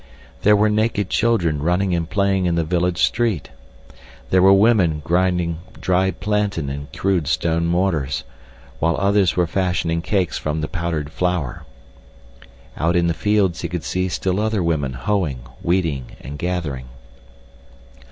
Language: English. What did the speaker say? There were naked children running and playing in the village street. There were women grinding dried plantain in crude stone mortars, while others were fashioning cakes from the powdered flour. Out in the fields he could see still other women hoeing, weeding, or gathering.